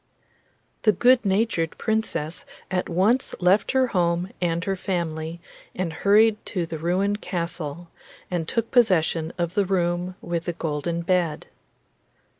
The good natured Princess at once left her home and her family and hurried to the ruined castle, and took possession of the room with the golden bed.